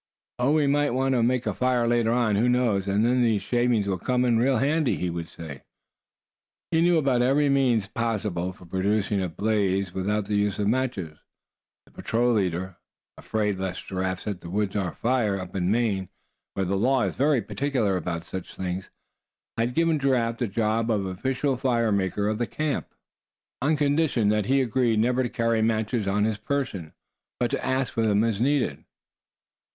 "Oh! we might want to make a fire later on, who knows; and then these shavings will come in real handy," he would say. He knew about every means possible for producing a blaze without the use of matches. The patrol leader, afraid lest Giraffe set the woods afire up in Maine, where the law is very particular about such things, had given Giraffe the job of official fire maker for the camp on condition that he agreed never to carry matches on his person, but to ask for them as needed.